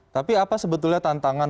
tapi apa sebetulnya tantangan